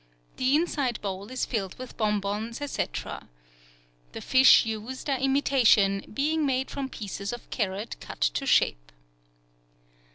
The inside bowl is filled with bonbons, etc. (See Fig. 19.) The fish used are imitation, being made from pieces of carrot cut to shape.